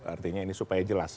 artinya ini supaya jelas